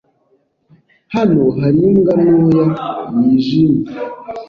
Hano hari imbwa ntoya yijimye.